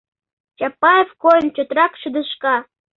— Чапаев койын чотрак шыдешка.